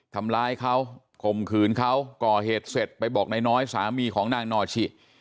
ทำร้ายเขาข่มขืนเขาก่อเหตุเสร็จไปบอกนายน้อยสามีของนางนอชิ